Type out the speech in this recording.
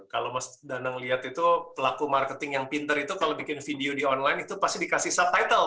kalau mas danang lihat itu pelaku marketing yang pinter itu kalau bikin video di online itu pasti dikasih subtitle